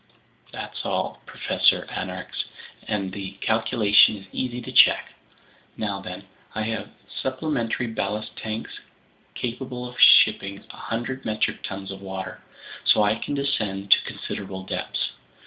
"That's all, Professor Aronnax, and the calculation is easy to check. Now then, I have supplementary ballast tanks capable of shipping 100 metric tons of water. So I can descend to considerable depths.